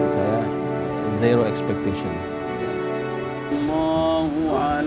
saya tidak ada harapan